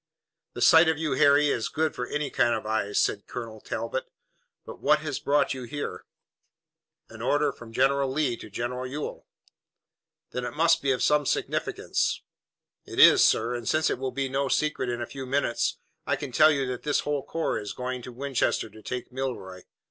"The sight of you, Harry, is good for any kind of eyes," said Colonel Talbot. "But what has brought you here?" "An order from General Lee to General Ewell." "Then it must be of some significance." "It is, sir, and since it will be no secret in a few minutes, I can tell you that this whole corps is going to Winchester to take Milroy.